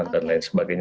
dan lain sebagainya